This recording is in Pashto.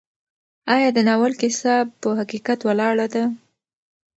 ایا د ناول کیسه په حقیقت ولاړه ده؟